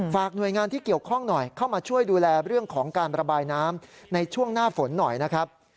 หน่วยงานที่เกี่ยวข้องหน่อยเข้ามาช่วยดูแลเรื่องของการระบายน้ำในช่วงหน้าฝนหน่อยนะครับ